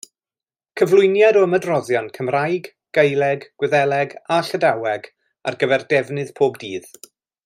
Cyflwyniad o ymadroddion Cymraeg, Gaeleg, Gwyddeleg a Llydaweg ar gyfer defnydd pob dydd.